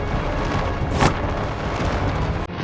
jumpa lagi dimuat panggilan yang ada di rumah